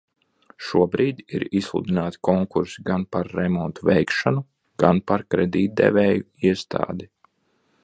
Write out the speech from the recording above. Šobrīd ir izsludināti konkursi gan par remontu veikšanu, gan par kredītdevēju iestādi.